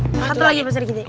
satu lagi pak sirikiti